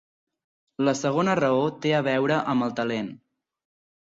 La segona raó té a veure amb el talent.